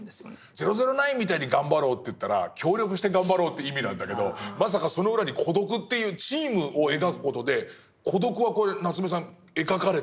「００９」みたいに頑張ろうといったら協力して頑張ろうという意味なんだけどまさかその裏に孤独っていうチームを描く事で孤独はこれ夏目さん描かれてる？